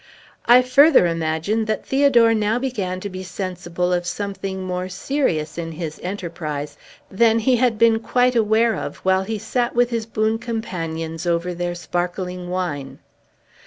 I further imagine that Theodore now began to be sensible of something more serious in his enterprise than he had been quite aware of while he sat with his boon companions over their sparkling wine.